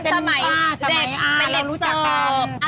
เป็นสมัยอ้าเป็นเด็กเสิร์ฟ